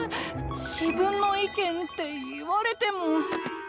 自分の意見って言われても。